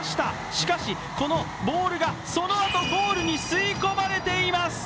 しかし、このボールがそのあとゴールに吸い込まれています。